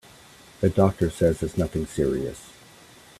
The doctor says it's nothing serious.